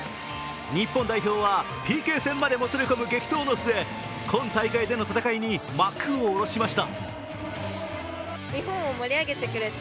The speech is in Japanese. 日本代表はＰＫ戦までもつれ込む激闘の末、今大会での戦いに幕を下ろしました。